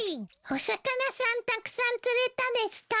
お魚さんたくさん釣れたですか？